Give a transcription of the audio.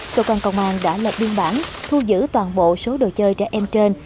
cơ quan công an đã lập biên bản thu giữ toàn bộ số đồ chơi trẻ em trên